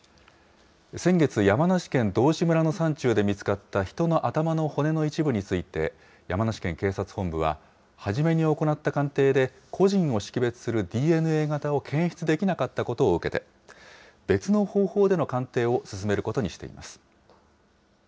先月、山梨県道志村の山中で見つかった人の頭の骨の一部について、山梨県警察本部は、初めに行った鑑定で個人を識別するＤＮＡ型を検出できなかったことを受けて、別の方法での鑑定を進めることにしています。